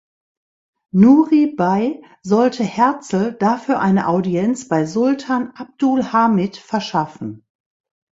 Nouri Bey sollte Herzl dafür eine Audienz bei Sultan Abdul Hamid verschaffen.